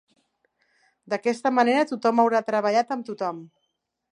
D'aquesta manera, tothom haurà treballat amb tothom.